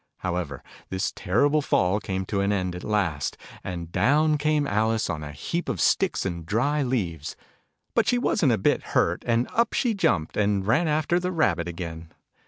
Digitized by Google 4 THE NURSERY ALICE 11 However, this terrible fall came to an end at last, and down came Alice on a heap of sticks and dry leaves. But she wasn't a bit hurt, and up she jumped, and ran after the Rabbit again.